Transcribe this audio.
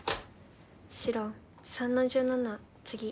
白３の十七ツギ。